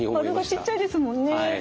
丸がちっちゃいですもんね。